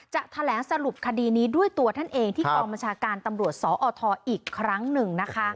จะแถลงสรุปคดีนี้ด้วยตัวท่านเองที่กองบัญชาการตำรวจสอทอีกครั้งหนึ่งนะคะ